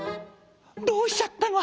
「どうしちゃったの？